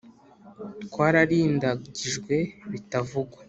twararindagijwe bitavugwa